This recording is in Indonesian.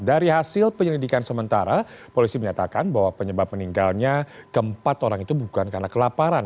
dari hasil penyelidikan sementara polisi menyatakan bahwa penyebab meninggalnya keempat orang itu bukan karena kelaparan